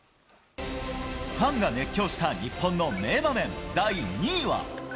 ファンが熱狂した日本の名場面第２位は。